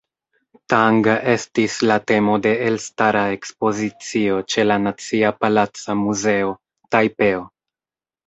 Tang estis la temo de elstara ekspozicio ĉe la Nacia Palaca Muzeo, Tajpeo.